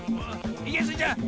いけスイちゃん！